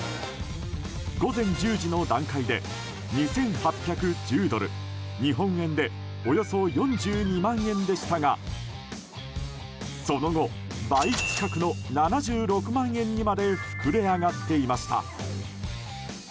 午前１０時の段階で２８１０ドル日本円でおよそ４２万円でしたがその後、倍近くの７６万円にまで膨れ上がっていました。